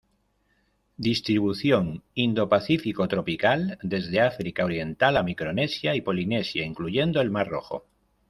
Distribución: Indo-Pacífico tropical, desde África oriental a Micronesia y Polinesia, incluyendo el Mar Rojo.